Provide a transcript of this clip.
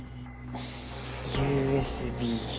ＵＳＢ。